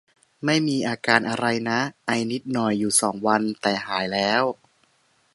ไม่มีอาการอะไรนะ ไอนิดหน่อยอยู่สองวัน แต่หายแล้ว